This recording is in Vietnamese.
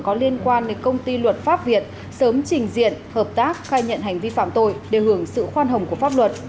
cơ quan điều tra liên quan đến công ty luật pháp viện sớm trình diện hợp tác khai nhận hành vi phạm tội để hưởng sự khoan hồng của pháp luật